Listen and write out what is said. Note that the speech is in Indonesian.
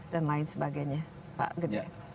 dan lain sebagainya pak gede